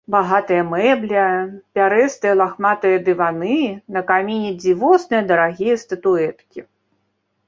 Багатая мэбля, пярэстыя, лахматыя дываны, на каміне дзівосныя, дарагія статуэткі.